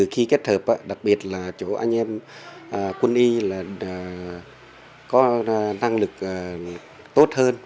khi kết hợp đặc biệt là chỗ anh em quân y là có năng lực tốt hơn